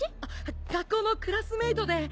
学校のクラスメートで。